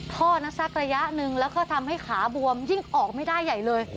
อดนะสักระยะหนึ่งแล้วก็ทำให้ขาบวมยิ่งออกไม่ได้ใหญ่เลย